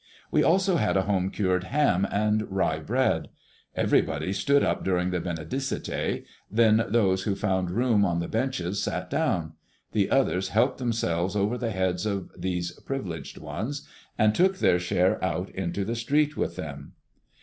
We also had a home cured ham and rye bread. Everybody stood up during the Benedicite, then those who found room on the benches sat down; the others helped themselves over the heads of these privileged ones, and took their share out into the street with them.